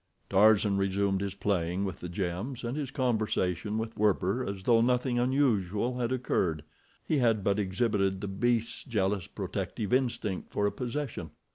Tarzan resumed his playing with the gems, and his conversation with Werper as though nothing unusual had occurred. He had but exhibited the beast's jealous protective instinct for a possession.